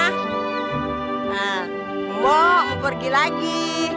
nah mau pergi lagi